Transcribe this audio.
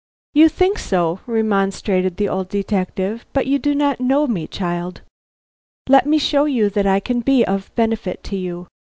"You think so," remonstrated the old detective, "but you do not know me, child. Let me show you that I can be of benefit to you."